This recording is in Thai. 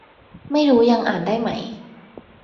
ไม่รู้ยังอ่านได้ไหม